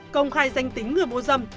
công khai danh tính người mua dâm